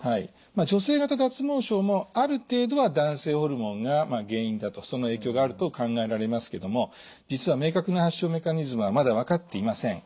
女性型脱毛症もある程度は男性ホルモンが原因だとその影響があると考えられますけども実は明確な発症メカニズムはまだ分かっていません。